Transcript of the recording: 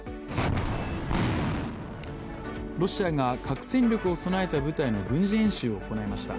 ロシアが核戦力を備えた部隊の軍事演習を行いました。